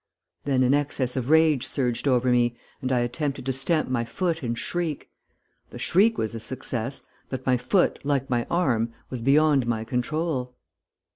Then an access of rage surged over me, and I attempted to stamp my foot and shriek. The shriek was a success, but my foot like my arm was beyond my control.